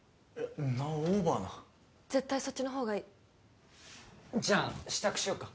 んなオーバーな絶対そっちの方がいいじゃあ支度しようか